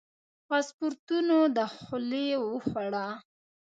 پاسپورتونو دخولي وخوړه.